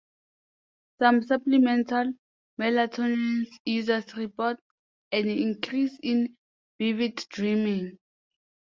Some supplemental melatonin users report an increase in vivid dreaming.